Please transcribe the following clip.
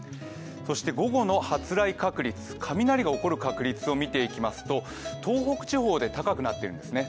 そして午後の発雷確率を見ていきますと、東北地方で高くなっているんですね。